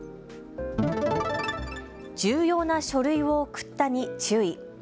重要な書類を送ったに注意。